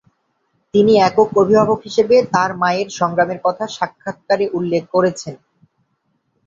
তিনি একক অভিভাবক হিসেবে তার মায়ের সংগ্রামের কথা সাক্ষাৎকারে উল্লেখ করেছেন।